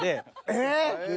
えっ。